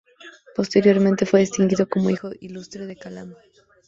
Posteriormente, fue distinguido como hijo ilustre de Calama.